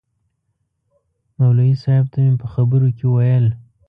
مولوي صاحب ته مې په خبرو کې ویل.